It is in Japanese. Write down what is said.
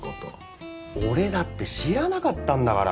俺だって知らなかったんだから。